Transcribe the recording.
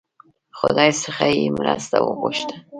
خدای څخه یې مرسته وغوښته.